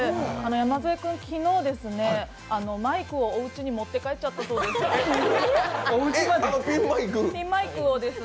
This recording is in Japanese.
山添君、昨日、マイクをおうちに持って帰っちゃったそうです。